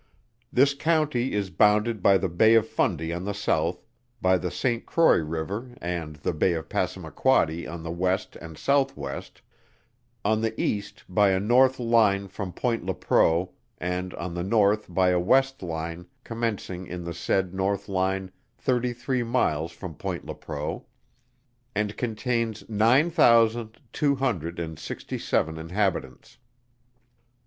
This County is bounded by the Bay of Fundy on the south, by the St. Croix river, and the Bay of Passamaquoddy on the west and south west, on the east by a north line from Point Lepreau, and on the north by a west line commencing in the said north line thirty three miles from Point Lepreau, and contains nine thousand two hundred and sixty seven inhabitants.